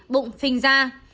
bụng phình ra